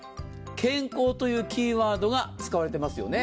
健康というキーワードが使われていますよね。